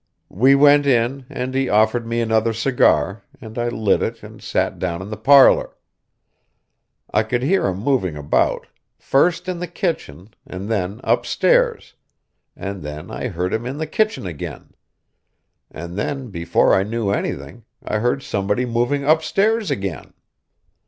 We went in, and he offered me another cigar, and I lit it and sat down in the parlour. I could hear him moving about, first in the kitchen and then upstairs, and then I heard him in the kitchen again; and then before I knew anything I heard somebody moving upstairs again.